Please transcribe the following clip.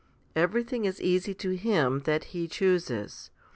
Everything is easy to Him that He chooses.